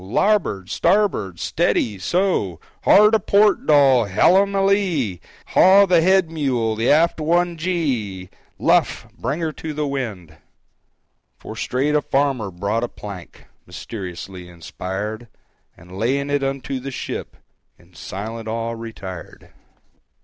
"Labbord!—stabbord!—s t e a d y!—so!—Hard a port, Dol!—hellum a lee! Haw the head mule!—the aft one gee! Luff!—bring her to the wind!" For straight a farmer brought a plank,—(Mysteriously inspired)—And laying it unto the ship, In silent awe retired.